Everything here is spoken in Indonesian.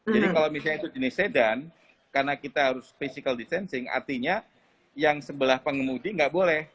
jadi kalau misalnya itu jenis sedan karena kita harus physical distancing artinya yang sebelah pengemudi nggak boleh